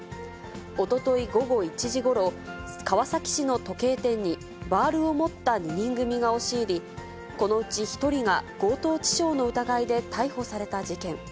おととい午後１時ごろ、川崎市の時計店にバールを持った２人組が押し入り、このうち１人が強盗致傷の疑いで逮捕された事件。